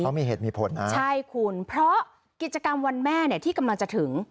เขามีเหตุมีผลนะใช่คุณเพราะกิจกรรมวันแม่เนี่ยที่กำลังจะถึง